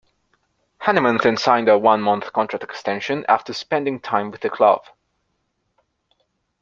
Hahnemann then signed a one-month contract extension after spending time with the club.